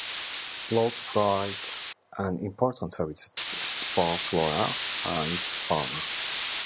Blowouts provide an important habitat for flora and fauna.